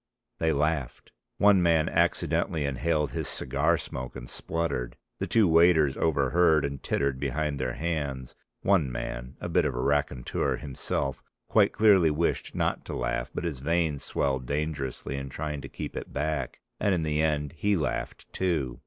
They laughed. One man accidentally inhaled his cigar smoke and spluttered, the two waiters overheard and tittered behind their hands, one man, a bit of a raconteur himself, quite clearly wished not to laugh, but his veins swelled dangerously in trying to keep it back, and in the end he laughed too.